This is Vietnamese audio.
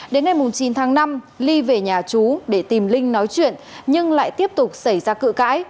đến ngày chín tháng năm ly về nhà chú để tìm linh nói chuyện nhưng lại tiếp tục xảy ra cự cãi